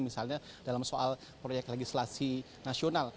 misalnya dalam soal proyek legislasi nasional